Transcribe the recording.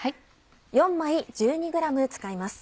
４枚１２ｇ使います。